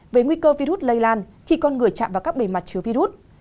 về nguy cơ virus lây lan khi con người chạm vào các bề mặt chứa virus